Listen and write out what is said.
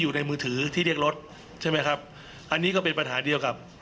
อยู่ในมือถือที่เรียกรถใช่ไหมครับอันนี้ก็เป็นปัญหาเดียวกับ